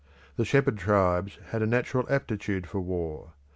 The shepherd tribes had a natural aptitude for war.